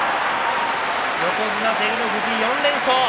横綱照ノ富士、４連勝。